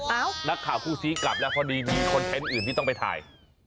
นักข่าวคู่ซี้กลับแล้วพอดีมีคอนเทนต์อื่นที่ต้องไปถ่าย